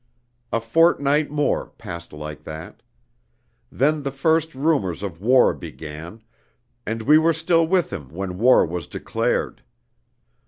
A fortnight more passed like that. Then the first rumors of war began; and we were still with him when war was declared.